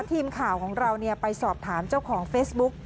ทีมข่าวของเราไปสอบถามเจ้าของเฟซบุ๊ก